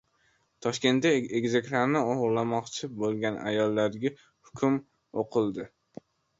Toshkentda egizaklarni o‘g‘irlamoqchi bo‘lgan ayollarga hukm o‘qildi